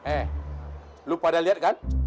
eh lo pada liat kan